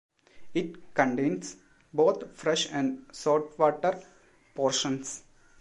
It contains both fresh and salt-water portions.